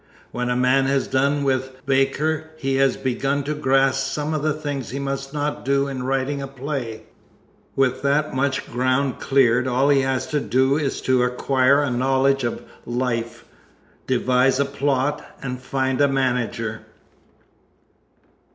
When a man has done with Baker he has begun to grasp some of the things he must not do in writing a play. With that much ground cleared all that he has to do is to acquire a knowledge of life, devise a plot and find a manager.